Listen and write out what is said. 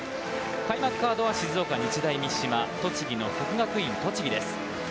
開幕カードは日大三島と国学院栃木です。